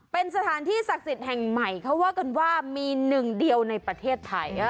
เป็นสถานที่ศักดิ์สิทธิ์แห่งใหม่เขาว่ากันว่ามีหนึ่งเดียวในประเทศไทย